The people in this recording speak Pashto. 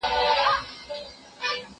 زه به اوږده موده موټر کار کړی وم!